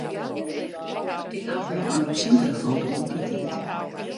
Ik haw noch in resintere foto út dy tiid.